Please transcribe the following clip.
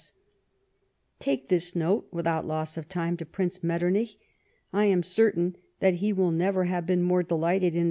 S.: — "Take this note, without loss of time, to Prince Metternich. I am certain that he will never have been more delighted in.